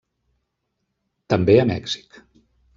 També a Mèxic.